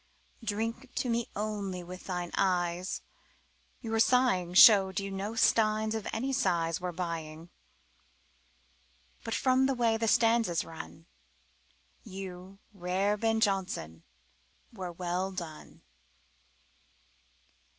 "Drink to me only with thine eyes!" Your sighing Showed you no steins of any size Were buying. But from the way the stanzas run, You, rare Ben Jonson, were well done.